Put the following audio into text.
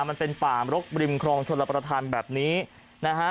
มันเป็นป่ามรกบริมครองชนรับประทานแบบนี้นะฮะ